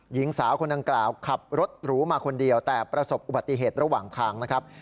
หญิงสาวคนดังกล่าวขับรถหรูมาคนเดียวแต่ประสบอุบัติเหตุระหว่างทางนะครับ